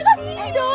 ulan mau kesini dong